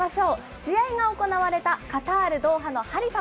試合が行われたカタール・ドーハのハリファ